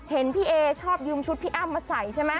เห็นพี่เอชอบยืมชุดพี่อ้ำมาใส่ใช่ไหม